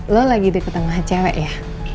lo lagi udah ketemu ha cewek ya